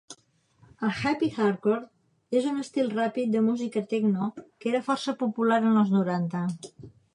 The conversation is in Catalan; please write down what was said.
El happy hardcore és un estil ràpid de música tecno, que era força popular en els noranta.